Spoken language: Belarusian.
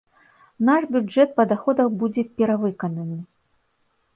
Наш бюджэт па даходах будзе перавыкананы.